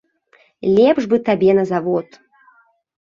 Лепш бы табе на завод.